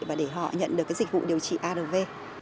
và để họ nhận được cái dịch vụ điều trị arv